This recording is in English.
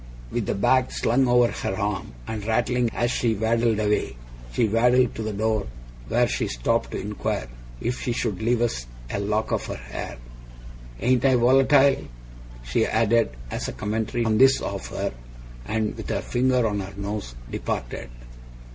With the bag slung over her arm, and rattling as she waddled away, she waddled to the door, where she stopped to inquire if she should leave us a lock of her hair. 'Ain't I volatile?' she added, as a commentary on this offer, and, with her finger on her nose, departed.